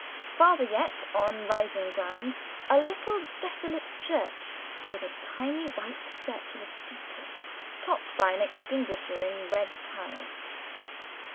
Farther yet, on rising ground, a little desolate church, with a tiny white circular steeple, topped by an extinguisher in red tiles.